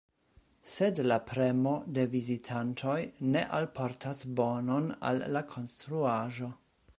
Sed la premo de vizitantoj ne alportas bonon al la konstruaĵo.